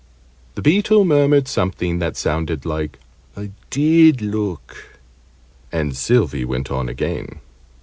The Beetle murmured something that sounded like "I did look," and Sylvie went on again.